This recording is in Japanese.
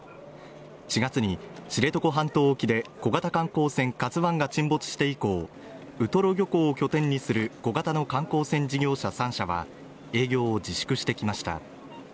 ７月に知床半島沖で小型観光船「ＫＡＺＵ１」が沈没して以降ウトロ漁港を拠点にする小型の観光船事業者３社は営業を自粛してきました